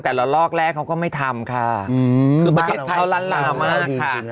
แต่ละลอกแรกเขาก็ไม่ทำค่ะเขาร้านลามากค่ะ